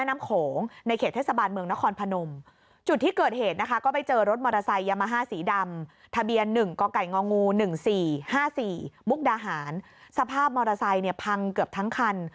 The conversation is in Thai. มุกดาหารสภาพมอเตอร์ไซค์เนี่ยพังเกือบทั้งคัน